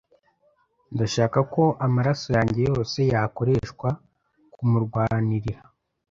ndashaka ko amaraso yanjye yose yakoreshwa kumurwanirira